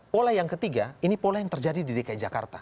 pola yang ketiga ini pola yang terjadi di dki jakarta